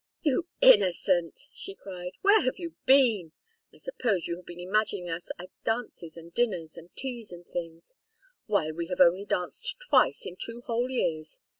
"You innocent!" she cried. "Where have you been? I suppose you have been imagining us at dances and dinners and teas and things. Why, we have only danced twice in two whole years.